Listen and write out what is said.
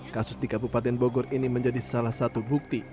kasus di kabupaten bogor ini menjadi salah satu bukti